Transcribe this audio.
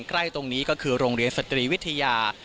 ใกล้ตรงนี้ก็คือโรงเรียนสตรีวิทยา